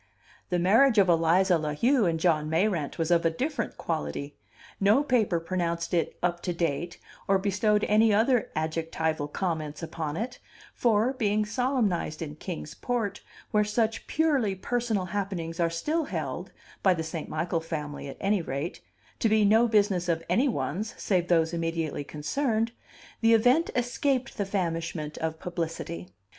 The marriage of Eliza La Heu and John Mayrant was of a different quality; no paper pronounced it "up to date," or bestowed any other adjectival comments upon it; for, being solemnized in Kings Port, where such purely personal happenings are still held (by the St. Michael family, at any rate) to be no business of any one's save those immediately concerned, the event escaped the famishment of publicity.